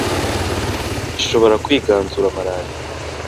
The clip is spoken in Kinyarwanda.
ishobora kwiganzura malaria